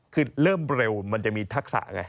คือเริ่มเร็วมันจะมีทักษะไง